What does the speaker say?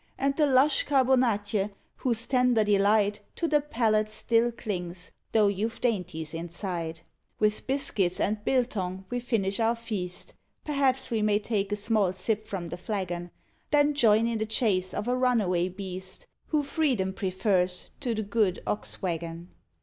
And the lush "carbonatje," whose tender delight To the palate still clings, though you've dainties in sight; With biscuits and "biltong" we finish our feast (Perhaps we may take a small sip from the flagon) Then join in the chase of a runaway beast Who freedom prefers to the good Ox wagon.